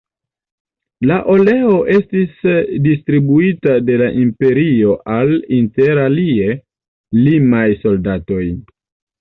La oleo estis distribuita de la imperio al, inter alie, limaj soldatoj.